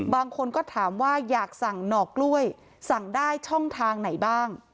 บางคนก็ถามว่าอยากสั่งหนอกกล้วยสั่งได้ช่องทางไหนบ้าง